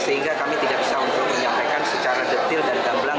sehingga kami tidak bisa untuk menyampaikan secara detail dan gamblang